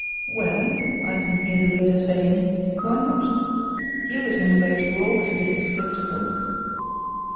"Well," I can hear the reader saying, "why not? You, at any rate, were always a little sceptical."